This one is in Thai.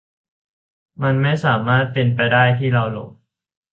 มันไม่สามารถเป็นไปได้ที่เราหลง